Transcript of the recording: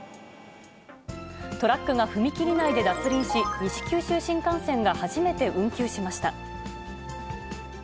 トラックが踏切内で、脱輪し、西九州新幹線が初めて運休しました。